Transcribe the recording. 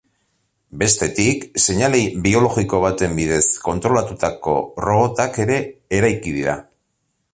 Bestetik, seinale biologiko baten bidez kontrolatutako robotak ere eraiki dira.